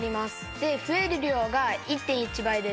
で増える量が１．１倍です。